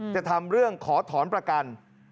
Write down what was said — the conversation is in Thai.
จะทำเรื่องขอถอนประกัน